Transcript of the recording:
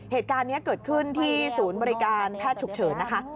เหตุการณ์นี้เกิดขึ้นที่ศูนย์บริการแพทย์ฉุกเฉินนะคะ